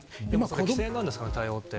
規制なんですかね、対応って。